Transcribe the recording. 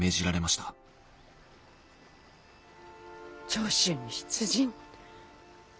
長州に出陣？